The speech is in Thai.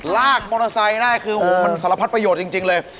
ลากมอเตอร์ไซค์มันสารพัดประโยชน์จริง